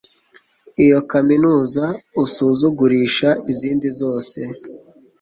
Iyo kaminuza usuzugurisha izindi zose